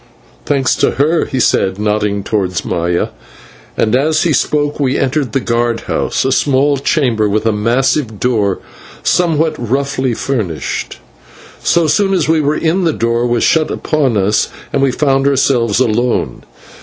"Thanks to her," he said, nodding to Maya, and as he spoke we entered the guard house, a small chamber with a massive door, somewhat roughly furnished. So soon as we were in, the door was shut upon us, and we found ourselves alone.